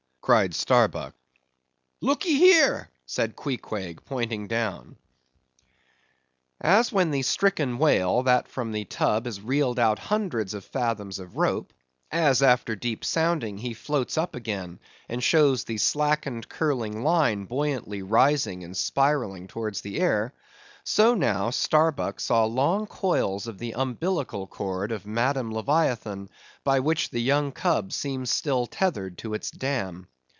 cried Starbuck. "Look e here," said Queequeg, pointing down. As when the stricken whale, that from the tub has reeled out hundreds of fathoms of rope; as, after deep sounding, he floats up again, and shows the slackened curling line buoyantly rising and spiralling towards the air; so now, Starbuck saw long coils of the umbilical cord of Madame Leviathan, by which the young cub seemed still tethered to its dam.